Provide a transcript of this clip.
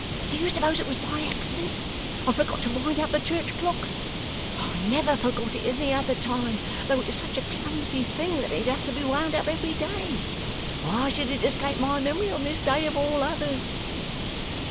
Do you suppose it was by accident, I forgot to wind up the church clock? I never forgot it at any other time, though it's such a clumsy thing that it has to be wound up every day. Why should it escape my memory on this day of all others?